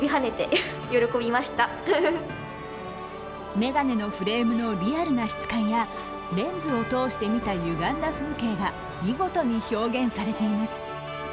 眼鏡のフレームのリアルな質感やレンズを通して見たゆがんだ風景が見事に表現されています。